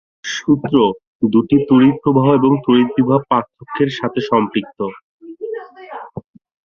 সূত্র দুইটি তড়িৎ প্রবাহ এবং তড়িৎ বিভব পার্থক্যের সাথে সম্পৃক্ত।